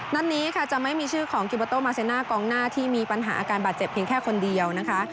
นัดนี้ค่ะจะไม่มีชื่อของกิโบโตมาเซน่ากองหน้าที่มีปัญหาอาการบาดเจ็บเพียงแค่คนเดียวนะคะ